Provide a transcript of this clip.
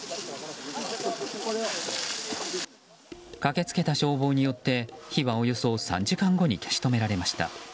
駆けつけた消防によって火はおよそ３時間後に消し止められました。